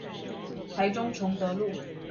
台中崇德路